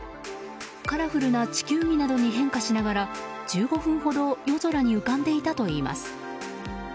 カラフルな地球儀などに変化しながら１５分ほど夜空に浮かんでいたといいます。